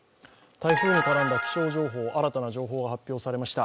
台風に絡んだ気象情報新たな情報が発表されました。